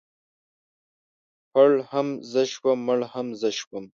پړ هم زه شوم مړ هم زه شوم.